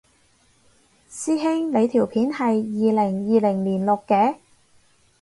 師兄你條片係二零二零年錄嘅？